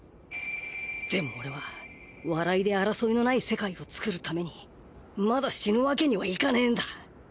でも俺は笑いで争いのない世界を作るためにまだ死ぬわけにはいかねえんだ。